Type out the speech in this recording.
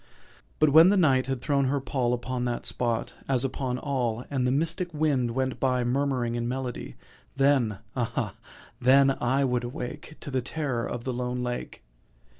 But when the Night had thrown her pall Upon that spot, as upon all, And the mystic wind went by Murmuring in melody— Then—ah then I would awake To the terror of the lone lake.